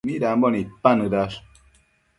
Midambo nidpanëdash?